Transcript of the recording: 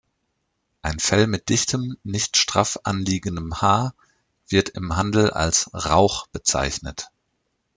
Ein Fell mit dichtem, nicht straff anliegendem Haar wird im Handel als „rauch“ bezeichnet.